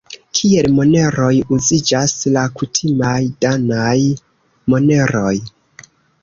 Kiel moneroj uziĝas la kutimaj danaj moneroj.